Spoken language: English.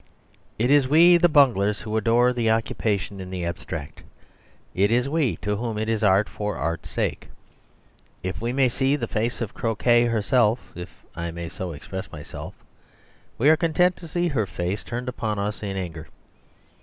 It is we the bunglers who adore the occupation in the abstract. It is we to whom it is art for art's sake. If we may see the face of Croquet herself (if I may so express myself) we are content to see her face turned upon us in anger.